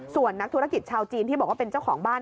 ส่วนนักธุรกิจชาวจีนที่บอกว่าเป็นเจ้าของบ้าน